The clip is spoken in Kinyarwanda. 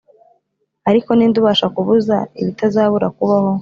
ariko ninde ubasha kubuza ibitazabura kubaho?